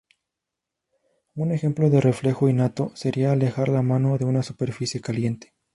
Un ejemplo de reflejo innato sería alejar la mano de una superficie caliente.